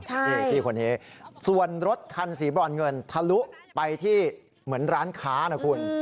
ใช่นี่พี่คนนี้ส่วนรถคันสีบรอนเงินทะลุไปที่เหมือนร้านค้านะคุณ